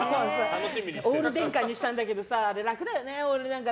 オール電化にしたんだけどさあれ楽だよね、オール電化。